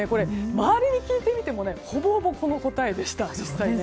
周りに聞いてみてもほぼ、この答えでした。